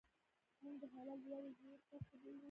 موږ د حالت لوړې ژورې تعقیبوو.